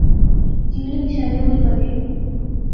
ٹی وی نے مشاعرے اُنی پڑھے